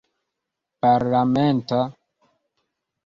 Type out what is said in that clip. parlamenta